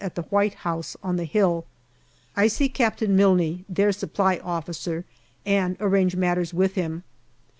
at the White House on the hill. I see Captain Mime, their Supply Officer, and arrange matters with him.